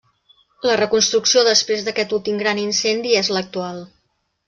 La reconstrucció després d'aquest últim gran incendi és l'actual.